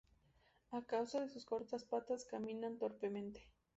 A causa de sus cortas patas caminan torpemente.